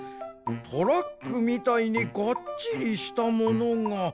トラックみたいにガッチリしたものが。